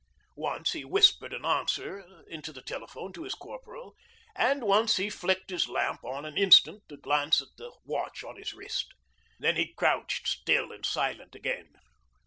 Once he whispered an answer into the telephone to his Corporal, and once he flicked his lamp on an instant to glance at the watch on his wrist. Then he crouched still and silent again.